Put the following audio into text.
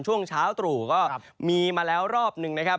ช่วงเช้าตรู่ก็มีมาแล้วรอบหนึ่งนะครับ